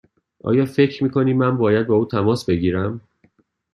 آیا فکر می کنی من باید با او تماس بگیرم؟